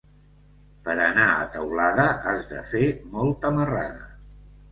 Per anar a Teulada has de fer molta marrada.